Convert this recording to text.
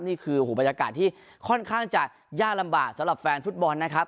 นี่คือบรรยากาศที่ค่อนข้างจะยากลำบากสำหรับแฟนฟุตบอลนะครับ